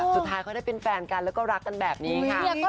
สุดท้ายเขาได้เป็นแฟนกันแล้วก็รักกันแบบนี้ค่ะ